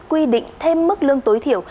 quy định thêm mức lương tối thiểu